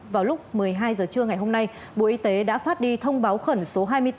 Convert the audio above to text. vào lúc một mươi hai h trưa ngày hôm nay bộ y tế đã phát đi thông báo khẩn số hai mươi bốn